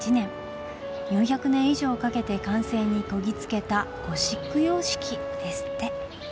４００年以上かけて完成にこぎつけたゴシック様式」ですって。